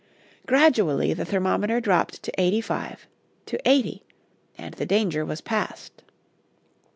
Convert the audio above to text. Gradually the thermometer dropped to eighty five, to eighty, and the danger was passed.